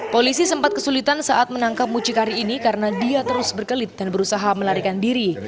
polisi sempat kesulitan saat menangkap mucikari ini karena dia terus berkelit dan berusaha melarikan diri